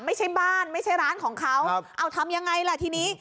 ไม่ใช่บ้านไม่ใช่ร้านของเขาเอาทำยังไงล่ะทีนี้